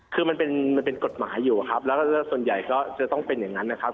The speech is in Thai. คือมันเป็นกฎหมายอยู่ครับแล้วก็ส่วนใหญ่ก็จะต้องเป็นอย่างนั้นนะครับ